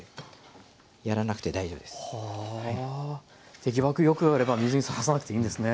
手際よくやれば水にさらさなくていいんですね。